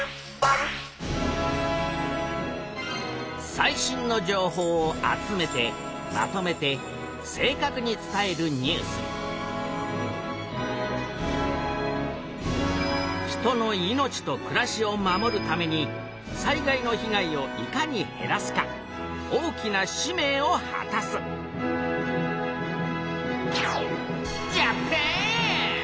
最新の情報を集めてまとめて正確に伝えるニュース人の命とくらしを守るために災害の被害をいかに減らすか大きな使命をはたすジャパン！